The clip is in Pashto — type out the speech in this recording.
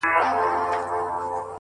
مهرباني د انسانیت خاموشه ژبه ده،